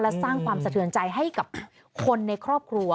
และสร้างความสะเทือนใจให้กับคนในครอบครัว